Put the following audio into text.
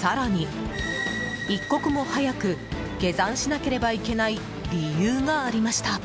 更に、一刻も早く下山しなければいけない理由がありました。